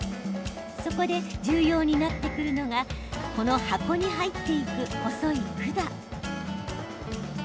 そこで、重要になってくるのがこの箱に入っていく細い管。